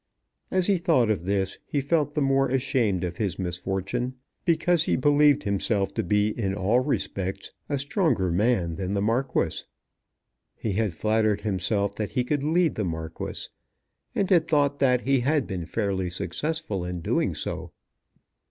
As he thought of this he felt the more ashamed of his misfortune, because he believed himself to be in all respects a stronger man than the Marquis. He had flattered himself that he could lead the Marquis, and had thought that he had been fairly successful in doing so.